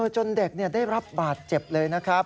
จนเด็กได้รับบาดเจ็บเลยนะครับ